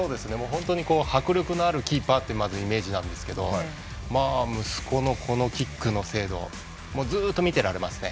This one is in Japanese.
本当に迫力のあるキーパーというイメージなんですけど息子のこのキックの精度ずっと見てられますね。